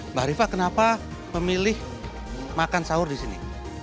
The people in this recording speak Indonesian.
mbak rifa kenapa memilih makan sahur di sini